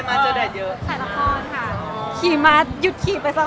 ไม่ทำไรมา้เจอแดดเยอะ